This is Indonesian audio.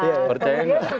ini yang pertama